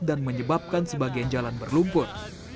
dan menyebabkan sebagian jalan berlumput